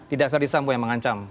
tidak ferdisambo yang mengancam